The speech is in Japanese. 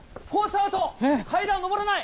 アウト、階段上らない。